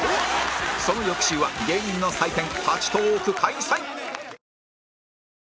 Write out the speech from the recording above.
その翌週は芸人の祭典立ちトーーク開催